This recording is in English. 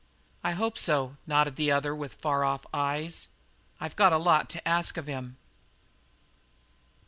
"I hope so," nodded the other, with far off eyes. "I've got a lot to ask of him."